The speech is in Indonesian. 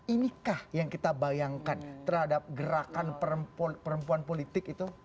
inikah yang kita bayangkan terhadap gerakan perempuan politik itu